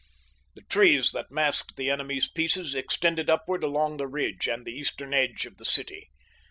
The trees that masked the enemy's pieces extended upward along the ridge and the eastern edge of the city.